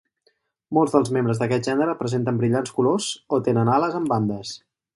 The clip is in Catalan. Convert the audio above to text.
Molts dels membres d'aquest gènere presenten brillants colors o tenen ales amb bandes.